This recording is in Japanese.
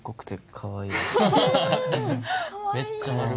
かわいいです。